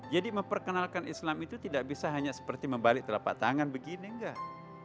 jadi memperkenalkan islam itu tidak bisa hanya seperti membalik telapak tangan begini enggak